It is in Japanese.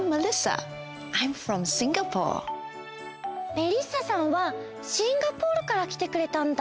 メリッサさんはシンガポールからきてくれたんだ！